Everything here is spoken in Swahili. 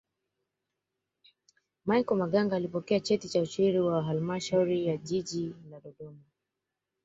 michel maganga akipokea cheti cha ushiri wa halmashauri ya jiji la dodoma